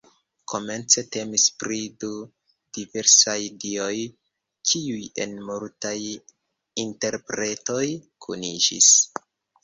Komence temis pri du diversaj dioj, kiuj en multaj interpretoj kuniĝis.